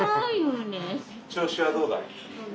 調子はどうだい？